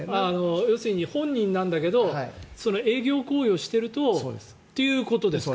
本人なんだけど営業行為をしているとということですか？